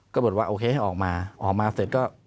ก็บอกว่าโอเคให้ออกมาออกมาเสร็จก็